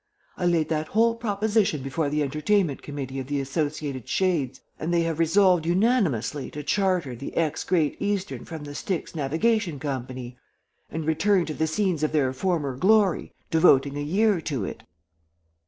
I laid that whole proposition before the Entertainment Committee of the Associated Shades, and they have resolved unanimously to charter the Ex Great Eastern from the Styx Navigation Company, and return to the scenes of their former glory, devoting a year to it."